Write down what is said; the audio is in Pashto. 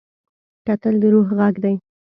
کتل د روح غږ اوري